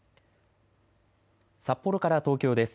札幌から東京です。